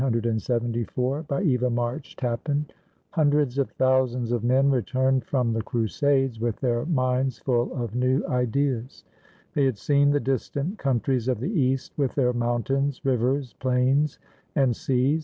FRANCESCO PETRARCH [1304 1374] BY EVA MARCH TAPPAN Hundreds of thousands of men returned from the cru sades with their minds full of new ideas. They had seen the distant countries of the East with their mountains, rivers, plains, and seas.